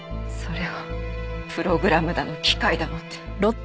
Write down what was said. それをプログラムだの機械だのって。